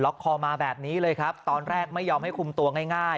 คอมาแบบนี้เลยครับตอนแรกไม่ยอมให้คุมตัวง่าย